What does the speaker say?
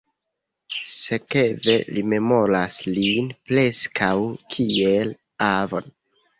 Sekve li memoras lin preskaŭ kiel avon.